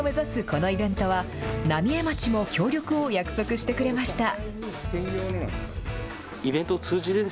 このイベントは、浪江町も協力を約束してくれました。